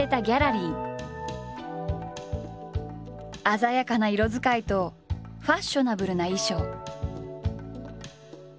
鮮やかな色使いとファッショナブルな衣装。